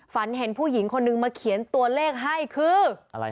ฝันเห็นผู้หญิงคนนึงมาเขียนตัวเลขให้คืออะไร